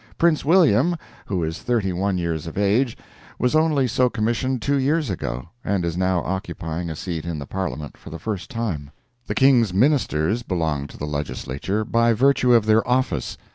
Prince William, who is thirty one years of age, was only so commissioned two years ago, and is now occupying a seat in the Parliament for the first time. The King's Ministers belong to the Legislature by virtue of their office.